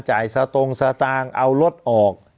จ่ายสตงสตางเอารถออก